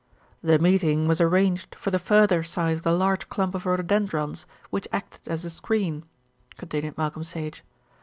"The meeting was arranged for the further side of the large clump of rhododendrons, which acted as a screen," continued Malcolm Sage.